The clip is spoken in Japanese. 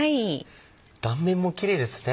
断面もキレイですね。